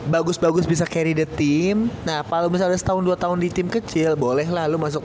bagus bagus bisa carry the team nah kalau misalnya ada setahun dua tahun di tim kecil boleh lalu masuk